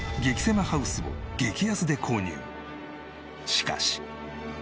しかし。